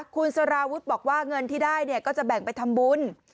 คุณสารวุฒิบอกว่าเงินที่ได้ก็จะแบ่งไปทำบุญ